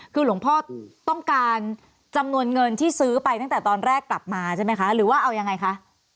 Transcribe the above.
คือหลวงพ่อต้องการจำนวนเงินที่ซื้อไปตั้งแต่ตอนแรกกลับมาใช่ไหมคะหรือว่าเอายังไงคะ